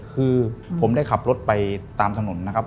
คือผมได้ขับรถไปตามถนนนะครับ